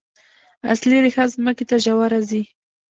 اصلي ریښه ځمکې ته ژوره ځي